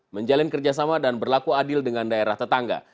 menjalin kerjasama dan berlaku adil dengan daerah tetangga